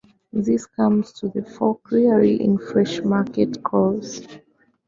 This comes to the fore clearly in Fleshmarket Close.